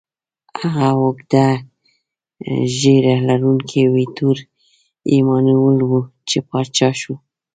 هغه اوږده ږیره لرونکی ویټوریو ایمانویل و، چې پاچا شو.